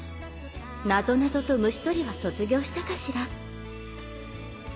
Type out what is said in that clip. なぞなぞと虫捕りは卒業したかしら？」。